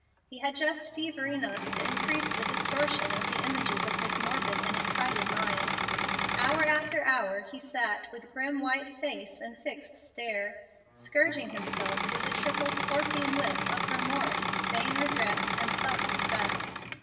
He had just fever enough to increase the distortion of the images of his morbid and excited mind. Hour after hour he sat with grim white face and fixed stare, scourging himself with the triple scorpion whip of remorse, vain regret, and self disgust.